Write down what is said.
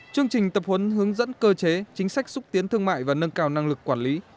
chương trình tập huấn hướng dẫn cơ chế chính sách xúc tiến thương mại và nâng cao năng lực quản lý